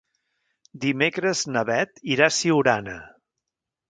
Dimecres na Beth irà a Siurana.